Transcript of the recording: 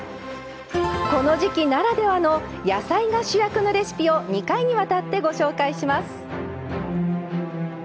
この時季ならではの野菜が主役のレシピを２回にわたってご紹介します。